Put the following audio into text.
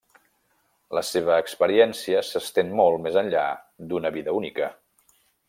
La seva experiència s'estén molt més enllà d'una vida única.